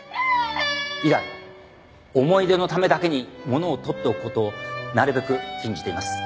以来思い出のためだけに物を取っておく事をなるべく禁じています。